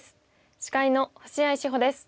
司会の星合志保です。